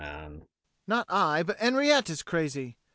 Not I, but Henriette, is crazy.